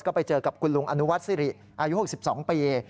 ก็ไปเจอกับคุณลุงอนุวัติสิริอายุ๖๒ปี